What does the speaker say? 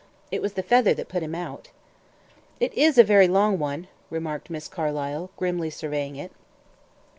It was the feather that put him out." "It is a very long one," remarked Miss Carlyle, grimly surveying it.